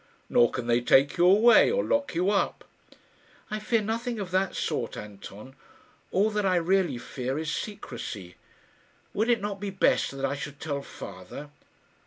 "Nor can they take you away, or lock you up." "I fear nothing of that sort, Anton. All that I really fear is secrecy. Would it not be best that I should tell father?"